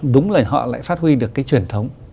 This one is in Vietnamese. đúng là họ lại phát huy được cái truyền thống